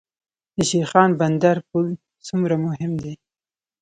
د شیرخان بندر پل څومره مهم دی؟